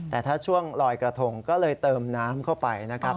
แต่ถ้าช่วงลอยกระทงก็เลยเติมน้ำเข้าไปนะครับ